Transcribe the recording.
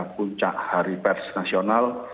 puncak hari pers nasional